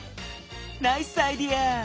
ナイスアイデア！